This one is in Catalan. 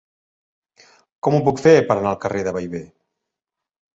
Com ho puc fer per anar al carrer de Bellver?